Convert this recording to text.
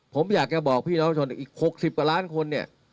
ผมอยากจะบอกพี่น้องผู้ชนอีก๖๐กว่าล้านคน